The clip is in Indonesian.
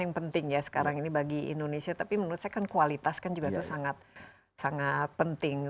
yang penting ya sekarang ini bagi indonesia tapi menurut saya kan kualitas kan juga sangat penting